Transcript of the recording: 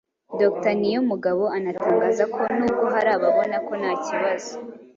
Dr Niyomugabo anatangaza ko n’ubwo hari ababona ko nta kibazo